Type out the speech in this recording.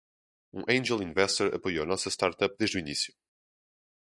Um angel investor apoiou nossa startup desde o início.